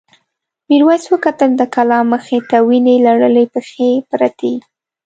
میرويس وکتل د کلا مخې ته وینې لړلې پښې پرتې.